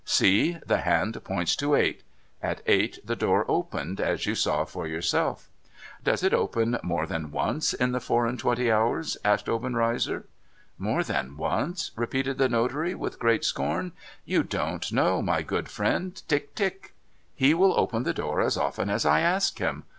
See ! The hand points to eight. At eight the door opened, as you saw for yourself.' 'Does it open more than once in the four and twenty hours?' asked Obenreizer. ' More than once?' repeated the notary, with great scorn. ' You don't know, my good friend, Tick Tick ! He will open the door as often as I ask him.